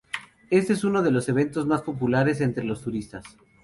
Este es uno de los eventos más populares entre los turistas.